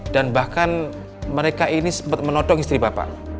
dan bahkan mereka ini sempet menodong istri bapak